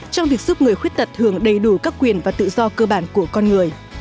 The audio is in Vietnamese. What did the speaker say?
trong việc giúp người khuyết tật hưởng đầy đủ các quyền và tự do cơ bản của con người